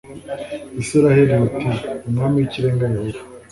Isirayeli uti Umwami w Ikirenga Yehova